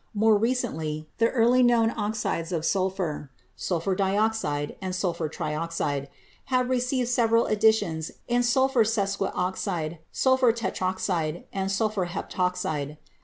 More recently the early known oxides of sulphur — sulphur dioxide and sulphur trioxide — have received several additions in sulphur sesquioxide, sulphur tetroxide and sulphur heptoxide.